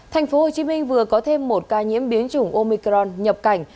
thành phố hồ chí minh vừa có thêm một ca nhiễm biến chủng omicron nhập cảnh